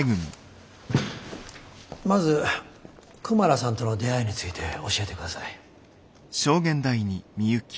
まずクマラさんとの出会いについて教えてください。